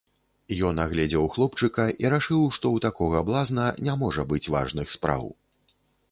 Ён агледзеў хлопчыка і рашыў, што ў такога блазна не можа быць важных спраў.